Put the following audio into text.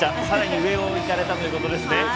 さらに上をいかれたということですね。